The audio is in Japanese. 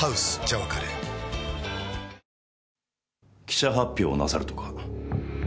記者発表をなさるとか。